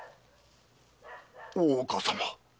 大岡様。